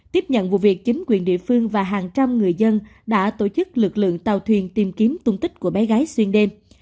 tiếp nhận vụ việc chính quyền địa phương và hàng trăm người dân đã tổ chức lực lượng tàu thuyền tìm kiếm tung tích của bé gái xuyên đêm